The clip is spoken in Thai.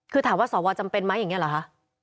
คือถามว่าสวจำเป็นไหมอย่างนี้เหรอคะ